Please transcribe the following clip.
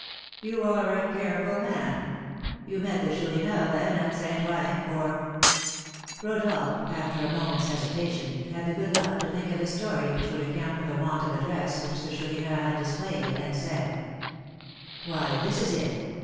"You are a careful man. You met the Chourineur, then, at St. Ouen, for " Rodolph, after a moment's hesitation, had the good luck to think of a story which would account for the want of address which the Chourineur had displayed, and said: "Why, this it is.